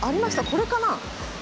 これかな？